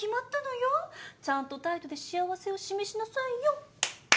ちゃんと態度で幸せを示しなさいよ。